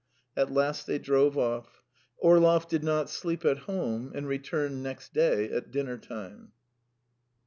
At last they drove off: Orlov did not sleep at home, and returned next day at dinner time.